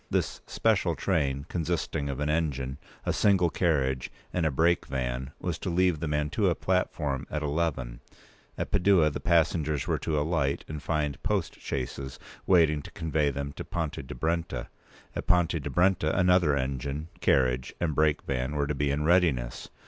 This special train, consisting of an engine, a single carriage, and a break van, was to leave the Mantua platform at eleven; at Padua the passengers were to alight and find post chaises waiting to convey them to Ponte p. 212di Brenta; at Ponte di Brenta another engine, carriage, and break van were to be in readiness.